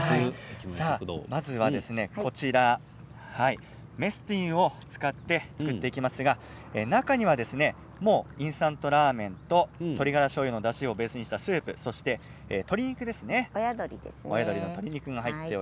まずはメスティンを使って作っていきますが、中にはもうインスタントラーメンと鶏ガラしょうゆのだしをベースにしたスープ親鶏ですね。